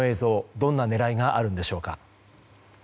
どんな狙いがあるんでしょうか。